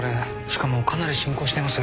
しかもかなり進行しています。